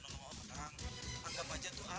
enggak mau tahu